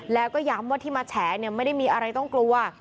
แล้วก็ย้ำว่าที่มาแฉไม่ได้มีอะไรต้องกลัว